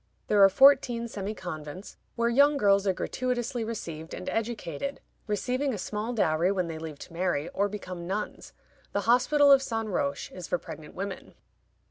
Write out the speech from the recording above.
There are fourteen semi convents where young girls are gratuitously received and educated, receiving a small dowry when they leave to marry or become nuns. The Hospital of St. Roch is for pregnant women.